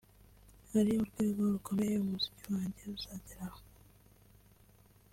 hari urwego rukomeye umuziki wanjye uzageraho